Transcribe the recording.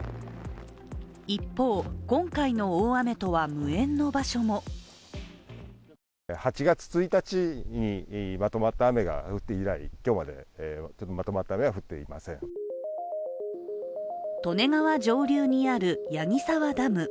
一方、今回の大雨とは無縁の場所も利根川上流にある矢木沢ダム。